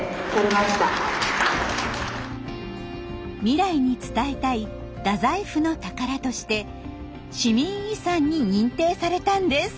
未来に伝えたい太宰府の宝として「市民遺産」に認定されたんです。